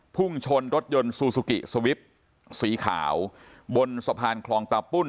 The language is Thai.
พุ่งชนรถยนต์ซูซูกิสวิปสีขาวบนสะพานคลองตาปุ้น